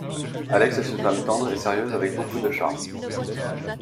Alex est une femme tendre et sérieuse avec beaucoup de charme.